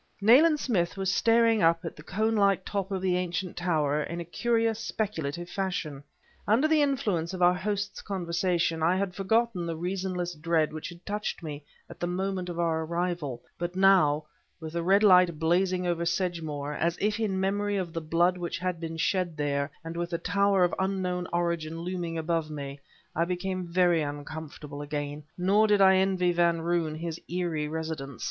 Nayland Smith was staring up at the cone like top of the ancient tower in a curious, speculative fashion. Under the influence of our host's conversation I had forgotten the reasonless dread which had touched me at the moment of our arrival, but now, with the red light blazing over Sedgemoor, as if in memory of the blood which had been shed there, and with the tower of unknown origin looming above me, I became very uncomfortable again, nor did I envy Van Roon his eerie residence.